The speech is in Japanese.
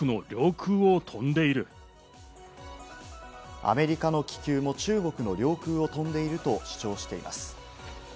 アメリカの気球も中国の領空を飛んでいると主張しています。